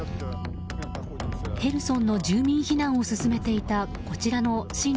ヘルソンの住民避難を進めていたこちらの親